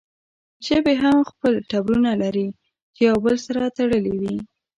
ژبې هم خپل ټبرونه لري چې يو بل سره تړلې وي